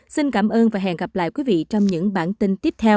xin cảm ơn và hẹn gặp lại quý vị trong những bản tin tiếp theo